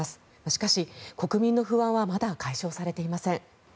しかし、国民の不安はまだ解消されていません。